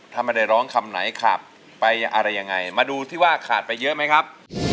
ถ้าไม่ได้ร้องคำไหนขาดไปอะไรยังไงมาดูที่ว่าขาดไปเยอะไหมครับ